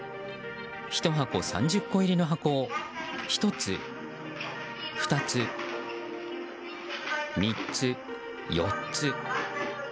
１箱３０個入りの箱を１つ、２つ、３つ、４つ。